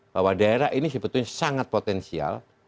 bahwa daerah ini sebetulnya sangat potensial